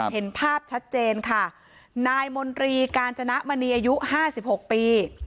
เห็นภาพชัดเจนค่ะนายมนตรีกาญจนมณีอายุ๕๖ปี